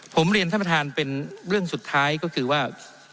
ผมเรียนท่านประธานเป็นเรื่องสุดท้ายก็คือว่า